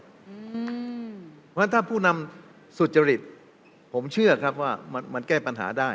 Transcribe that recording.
เพราะฉะนั้นถ้าผู้นำสุจริตผมเชื่อครับว่ามันแก้ปัญหาได้